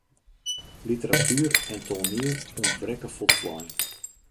Literatuer en toaniel ûntbrekke folslein.